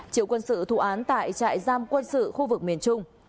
triệu quân sự thủ án tại trại giam quân sự khu vực miền trung